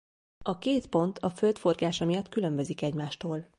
A két pont a Föld forgása miatt különbözik egymástól.